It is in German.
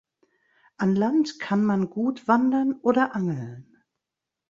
An Land kann man gut wandern oder angeln.